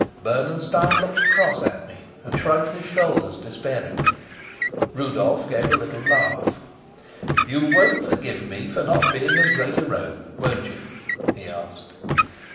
Bernenstein looked across at me and shrugged his shoulders despairingly. Rudolf gave a little laugh. "You won't forgive me for not being as great a rogue, won't you?" he asked.